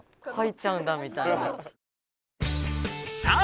さあ